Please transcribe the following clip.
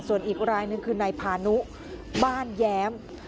ส่วนอีกรายหนึ่งคือนายพานุบ้านแย้ม